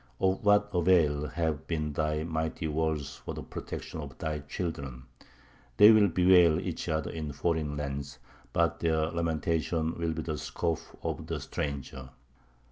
Of what avail have been thy mighty walls for the protection of thy children?... They will bewail each other in foreign lands; but their lamentations will be the scoff of the stranger."